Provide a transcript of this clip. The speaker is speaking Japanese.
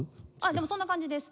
でもそんな感じです。